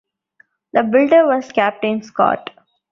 The builder was Captain Scott.